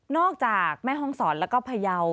นอกจากแม่ห้องศรและภะเยา